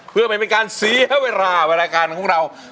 เพื่อไม่เป็นการเสียเวลารายการของเรา